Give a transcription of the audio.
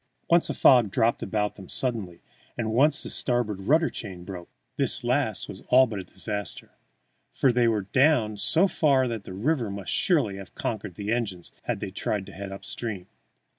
Once a fog dropped about them suddenly, and once the starboard rudder chain broke. This last was all but a disaster, for they were down so far that the river must surely have conquered the engines had they tried to head up stream.